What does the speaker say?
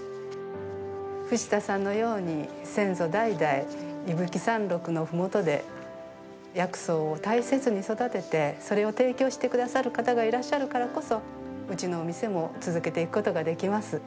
藤田さんのように先祖代々伊吹三国のふもとで薬草を大切に育ててそれを提供してくださる方がいらっしゃるからこそうちの店も続けていくことができます。